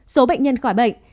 số bệnh nhân khỏi bệnh